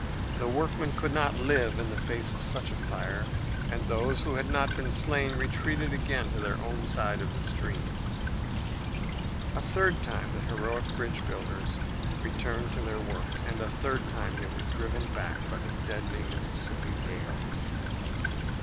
The workmen could not live in the face of such a fire, and those who had not been slain retreated again to their own side of the stream. A third time the heroic bridge builders returned to their work, and a third time they were driven back by the deadly Mississippi hail.